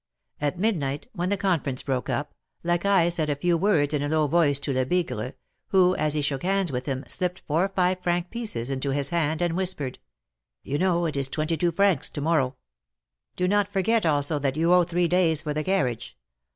At midnight, when the conference broke up, Laeaille said a few words in a low voice to Lebigre, who, as he shook hands with him^ slipped four five franc pieces into his hand, and whispered : You know — it is twenty two francs to morrow. Do not forget also that you owe three days for the carriage.